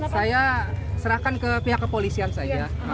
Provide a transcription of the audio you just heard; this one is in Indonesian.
saya serahkan ke pihak kepolisian saja